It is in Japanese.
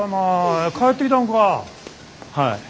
はい。